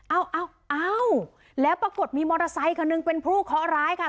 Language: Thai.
เอาเอ้าแล้วปรากฏมีมอเตอร์ไซคันหนึ่งเป็นผู้เคาะร้ายค่ะ